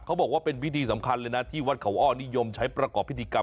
เขาบอกว่าเป็นพิธีสำคัญเลยนะที่วัดเขาอ้อนิยมใช้ประกอบพิธีกรรม